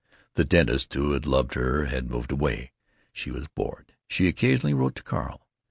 The dentist who had loved her had moved away. She was bored. She occasionally wrote to Carl.